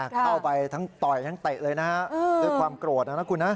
เข้าไปทั้งต่อยทั้งเตะเลยนะฮะด้วยความโกรธนะนะคุณนะ